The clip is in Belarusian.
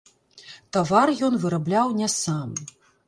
Тавар ён вырабляў не сам.